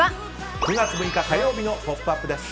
９月６日、火曜日の「ポップＵＰ！」です。